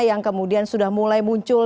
yang kemudian sudah mulai muncul